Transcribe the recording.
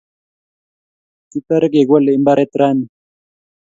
Kitare kegole imbaret raini